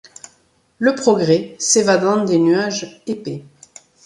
Le progrès, s'évadant des nuages épais